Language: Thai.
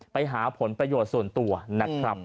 ไปหาผลประโยชน์ส่วนตัวนะครับ